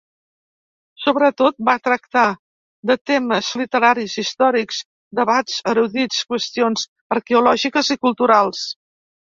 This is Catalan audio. Sobretot va tractar de temes literaris, històrics, debats erudits, qüestions arqueològiques i culturals.